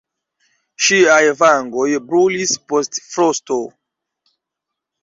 Ŝiaj vangoj brulis post frosto.